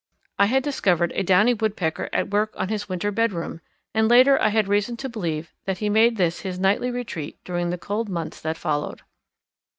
I had discovered a Downy Woodpecker at work on his winter bedroom, and later I had reason to believe that he made this his nightly retreat during the cold months that followed.